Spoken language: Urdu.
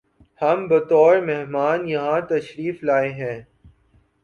ہم بطور مہمان یہاں تشریف لائے ہیں